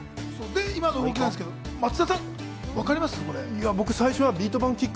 で、今の動きなんですけれども松田さん、分かります？